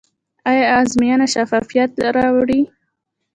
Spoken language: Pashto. آیا ازموینه شفافیت راوړي؟